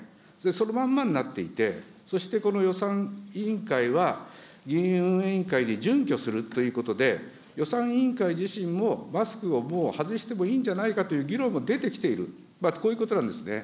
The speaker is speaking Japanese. そのまんまになっていて、そしてこの予算委員会は、議院運営委員会に準拠するということで、予算委員会自身もマスクをもう外してもいいんじゃないかという議論も出てきている、こういうことなんですね。